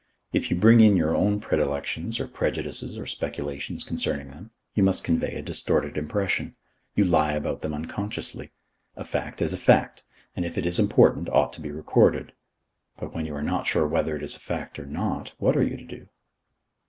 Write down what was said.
If you bring in your own predilections or prejudices or speculations concerning them, you must convey a distorted impression. You lie about them unconsciously. A fact is a fact, and, if it is important, ought to be recorded. But when you are not sure whether it is a fact or not, what are you to do?